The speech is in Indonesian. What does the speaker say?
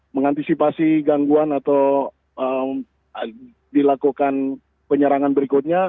mengantisipasi gangguan atau dilakukan penyerangan berikutnya